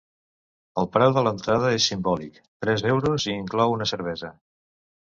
El preu de l’entrada és simbòlic: tres euros, i inclou una cervesa.